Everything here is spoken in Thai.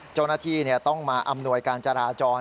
เจ้าหน้าที่ต้องมาอำนวยการจราจร